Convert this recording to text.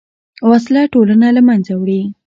وسله ټولنه له منځه وړي